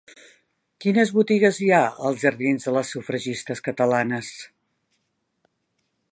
Quines botigues hi ha als jardins de les Sufragistes Catalanes?